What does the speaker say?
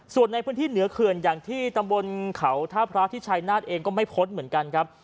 ส่วนในพื้นที่เหนือเขื่อนอย่างที่ตำบลเขาท่าพระที่ชายนาฏเองก็ไม่พ้นเหมือนกันครับ